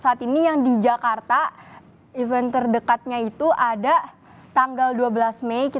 pobreka korea ug ngapainuin olah ip nya itu mengapa sih usar gak mungkin